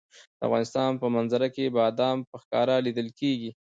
د افغانستان په منظره کې بادام په ښکاره لیدل کېږي.